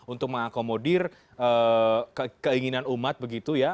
untuk mengakomodir keinginan umat begitu ya